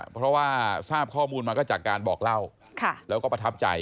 เพราะว่าทราบข้อมูลมาก็จากการบอกเล่าแล้วก็ประทับใจ